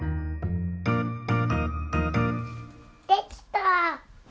できた！